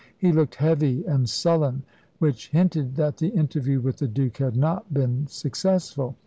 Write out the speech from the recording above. He looked heavy and sullen, which hinted that the interview with the Duke had not been successful.